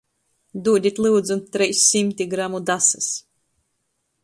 Dūdit, lyudzu, treis symti gramu dasys!